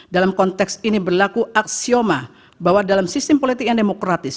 dalam konteks ini berlaku aksioma bahwa dalam sistem politik yang demokratis